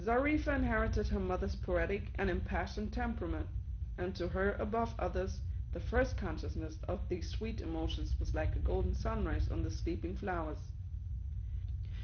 Xarifa inherited her mother's poetic and impassion ed temperament ; and to her, above others, the first consciousness of these sweet emotions was like a golden sunrise on the sleeping flowers.